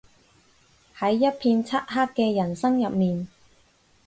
喺一片漆黑嘅人生入面